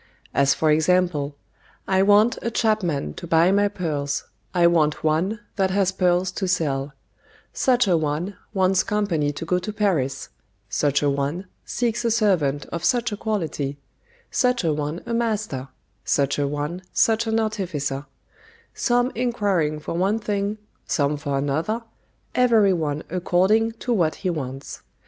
As for example: I want a chapman to buy my pearls; I want one that has pearls to sell; such a one wants company to go to Paris; such a one seeks a servant of such a quality; such a one a master; such a one such an artificer; some inquiring for one thing, some for another, every one according to what he wants.